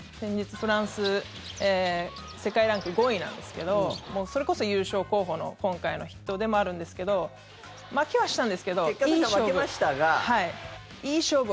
フランス世界ランク５位なんですけどそれこそ優勝候補の今回の筆頭でもあるんですけど負けはしたんですけどいい勝負。